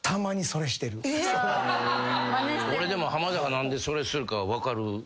俺でも浜田が何でそれするか分かる。